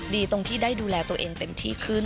ดีตรงที่ได้ดูแลตัวเองเต็มที่ขึ้น